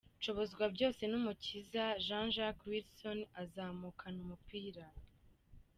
Nshobozwabyosenumukiza Jean Jacques Wilson azamukana umupira.